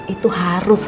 itu harus lah